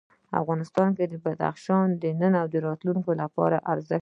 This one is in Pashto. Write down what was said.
افغانستان کې بدخشان د نن او راتلونکي لپاره ارزښت لري.